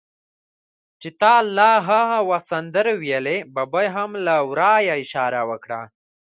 چې تا لا هغه وخت سندرې ویلې، ببۍ هم له ورایه اشاره وکړه.